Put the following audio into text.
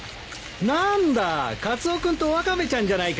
何だカツオ君とワカメちゃんじゃないか。